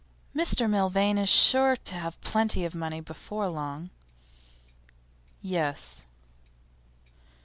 'Mr Milvain is sure to have plenty of money before long.' 'Yes.